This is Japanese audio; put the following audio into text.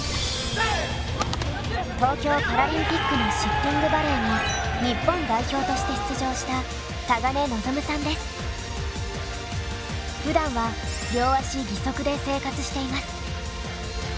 東京パラリンピックのシッティングバレーの日本代表として出場したふだんは両足義足で生活しています。